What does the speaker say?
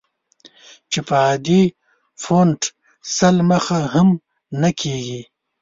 چې په عادي فونټ سل مخه هم نه کېږي.